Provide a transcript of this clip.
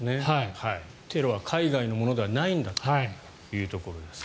テロは海外のものではないんだというところです。